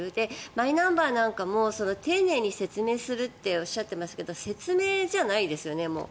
マイナンバーなんかも丁寧に説明するっておっしゃっていますが説明じゃないですよね、もう。